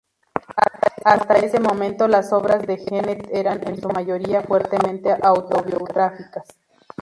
Hasta ese momento las obras de Genet eran, en su mayoría, fuertemente autobiográficas.